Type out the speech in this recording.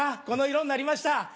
この色になりました。